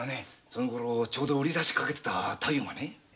その頃ちょうど売り出しかけてた太夫がね